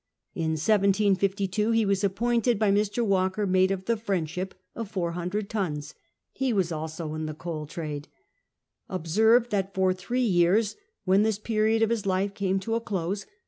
In 1752 he was appointed, by Mr. Walker, mate of the Friendship^ of 400 tons. He was also in the coal trade. Observe that for three years, when this period of his life came to a close.